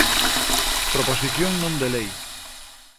Proposición non de lei.